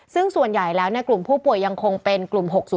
ซึ่งส่วนใหญ่แล้วกลุ่มผู้ป่วยยังคงเป็นกลุ่ม๖๐